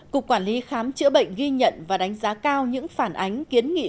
cục quản lý khám chữa bệnh ghi nhận và đánh giá cao những phản ánh kiến nghị